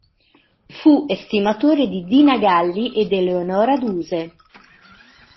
Fu estimatore di Dina Galli ed Eleonora Duse.